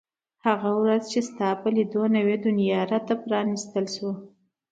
هغه ورځ چې ستا په لیدو نوې دنیا را ته پرانیستل شوه.